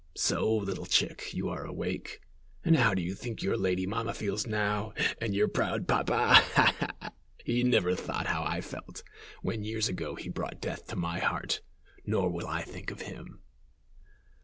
"So, little chick, you are awake, and how do you think your lady mamma feels now, and your proud papa? Ha! ha! he never thought how I felt, when years ago he brought death to my heart, nor will I think of him."